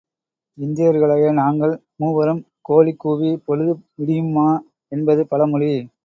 இந்தியர்களாகிய நாங்கள் மூவரும் கோழி கூவி பொழுது விடியுமா? என்பது பழ மொழி.